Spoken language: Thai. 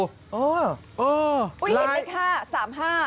เห็นไหมคะ๓๕